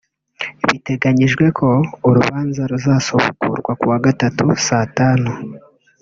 Biteganyijwe ko urubanza ruzasubukurwa kuwa Gatatu saa tanu